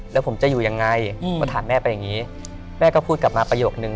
แล้วผมจะอยู่ยังไงก็ถามแม่ไปอย่างนี้แม่ก็พูดกลับมาประโยคนึง